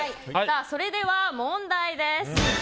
それでは、問題です。